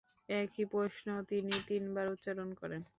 একই প্রশ্ন তিনি তিনবার উচ্চারন করেন।